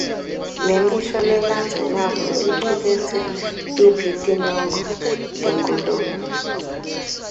Lemisho lelandzelako icuketse tiphi tinongo tenkhulumo?